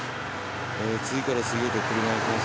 次から次へと車が来ます。